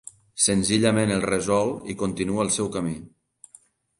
Senzillament els resol i continua el seu camí.